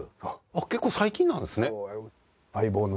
結構最近なんですね。これ？